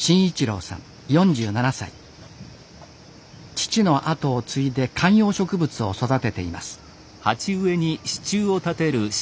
父の後を継いで観葉植物を育てています。